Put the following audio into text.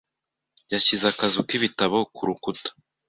Yashyize akazu k'ibitabo ku rukuta .